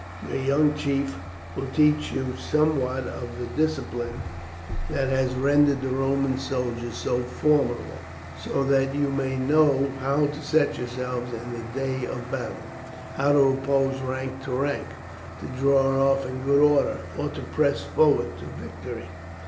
Your young chief will teach you somewhat of the discipline that has rendered the Roman soldiers so formidable, so that you may know how to set yourselves in the day of battle, how to oppose rank to rank, to draw off in good order, or to press forward to victory.